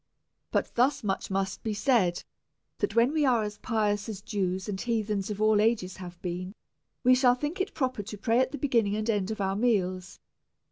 But this much must be said, that when we are as pious as Jews and heathens 48 A SERIOUS CALL TO A of al! ages Imve been, we shall think it proper to pray at the beginning and end of our meals.